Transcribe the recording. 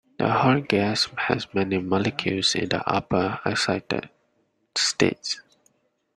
The hot gas has many molecules in the upper excited states.